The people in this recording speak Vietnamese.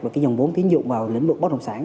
và cái dòng bốn tiến dụng vào lĩnh vực bác đồng sản